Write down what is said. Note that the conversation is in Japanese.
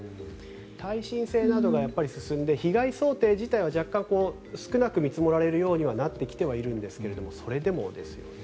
耐震性などが進んで被害想定自体は若干少なく見積もられるようにはなっていますがそれでもですよね。